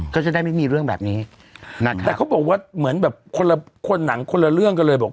ก็จะได้ไม่มีเรื่องแบบนี้นะครับแต่เขาบอกว่าเหมือนแบบคนละคนหนังคนละเรื่องกันเลยบอก